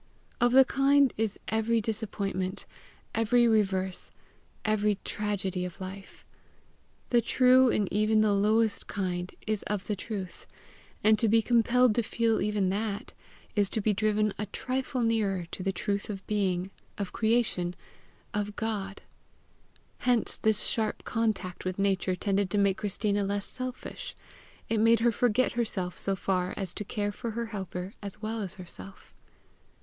Of the kind is every disappointment, every reverse, every tragedy of life. The true in even the lowest kind, is of the truth, and to be compelled to feel even that, is to be driven a trifle nearer to the truth of being, of creation, of God. Hence this sharp contact with Nature tended to make Christina less selfish: it made her forget herself so far as to care for her helper as well as herself.